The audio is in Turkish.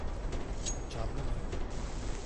Canlı mı?